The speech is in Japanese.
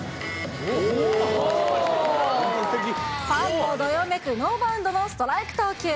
ファンもどよめくノーバウンドのストライク投球。